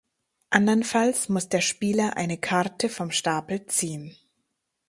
Andernfalls muss der Spieler eine Karte vom Stapel ziehen.